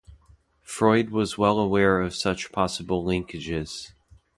Freud was well aware of such possible linkages.